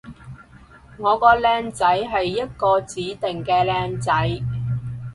我個靚仔係一個指定嘅靚仔